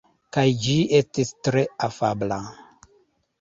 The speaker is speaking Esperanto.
Kaj ĝi estis tre afabla.